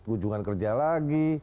ujungan kerja lagi